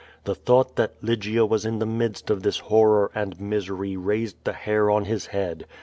The thought that Lygia was in the midst of this horror and misery raised the hair on his head.